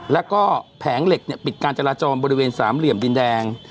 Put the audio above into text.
แล้วก็แผงเหล็กปิดการจราจรบริเวณสามเหลี่ยมดินแดง